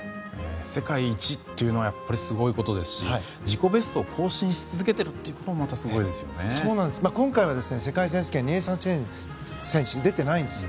世界一というのはやっぱりすごいことですし自己ベストを更新し続けていることも今回は世界選手権にネイサン・チェン選手出てないんです。